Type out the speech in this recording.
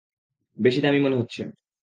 বেশ দামী মনে হচ্ছে।